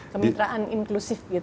kemitraan inklusif gitu pak